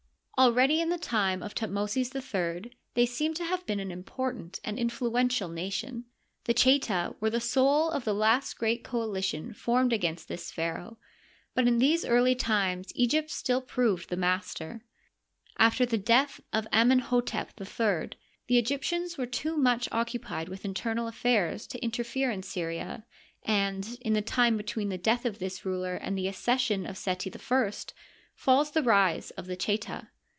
Already in the time of Thutmosis III they seem to have been an important and influential nation. The Cheta were the soul of the last great coalition formed against this pharaoh, but in these early times Egypt still proved the master. After the death of Amenh6tep III, the Egyp tians were too much occupied with internal affairs to inter fere in Syria, and in the time between the death of this ruler and the accession of Seti I falls the rise of the Cheta.